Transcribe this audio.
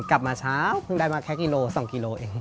กลับมาเช้าเพิ่งได้มาแค่กิโล๒กิโลเอง